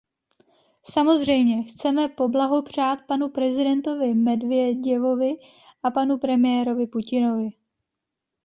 Samozřejmě, chceme poblahopřát panu prezidentovi Medvěděvovi a panu premiérovi Putinovi.